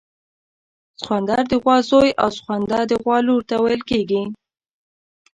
سخوندر د غوا زوی او سخونده د غوا لور ته ویل کیږي